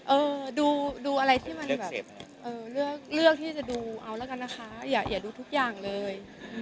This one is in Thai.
เออดูอะไรที่มันแบบเออเลือกที่จะดูเอาแล้วกันนะคะอย่าดูทุกอย่างเลย